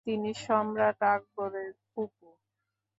তিনি সম্রাট আকবরের ফুফু।